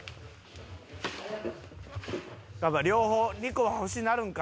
「やっぱ両方２個欲しなるんか」